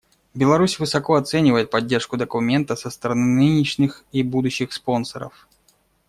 Беларусь высоко оценивает поддержку документа со стороны нынешних и будущих спонсоров.